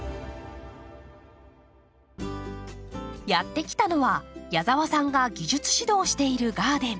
やって来たのは矢澤さんが技術指導をしているガーデン。